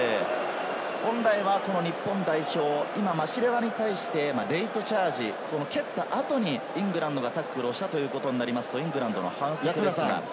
本来は日本代表、マシレワに対してレイトチャージ、蹴った後にイングランドがタックルをしたということになりますとイングランドの反則です。